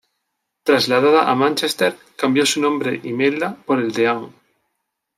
Trasladada a Manchester, cambió su nombre, Imelda, por el de Anne.